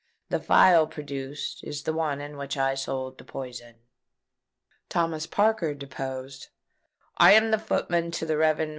The phial produced is the one in which I sold the poison." Thomas Parker deposed: "I am footman to the Rev. Mr.